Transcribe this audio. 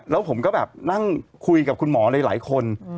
แล้วผมก็แบบนั่งคุยกับคุณหมอหลายคน